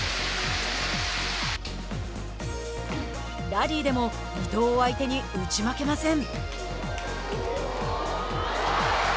ラリーでも伊藤を相手に打ち負けません。